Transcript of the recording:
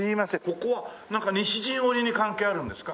ここはなんか西陣織に関係あるんですか？